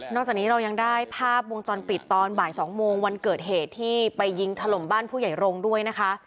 จากนี้เรายังได้ภาพวงจรปิดตอนบ่าย๒โมงวันเกิดเหตุที่ไปยิงถล่มบ้านผู้ใหญ่รงค์ด้วยนะคะ